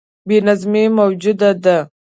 بې نظمي موجوده ده.